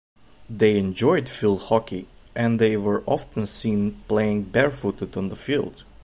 They enjoyed field hockey, and they were often seen playing bare-footed on the field.